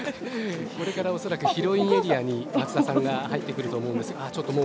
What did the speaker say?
これから恐らくヒロインエリアに松田さんが入ってくると思うんです。